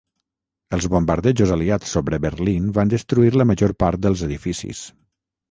Els bombardejos aliats sobre Berlín van destruir la major part dels edificis.